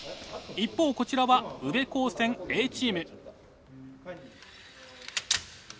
一方こちらは宇部高専Ａチーム。